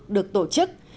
được tổ chức